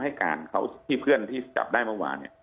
จากคำให้เพื่อนที่จับได้เมื่อวาน